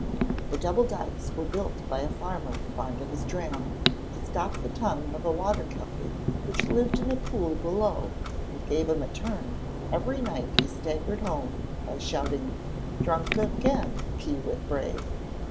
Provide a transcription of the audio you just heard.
The double dykes were built by a farmer fond of his dram, to stop the tongue of a water kelpie which lived in a pool below and gave him a turn every night he staggered home by shouting, "Drunk again, Peewitbrae!"